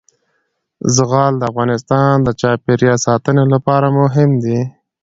زغال د افغانستان د چاپیریال ساتنې لپاره مهم دي.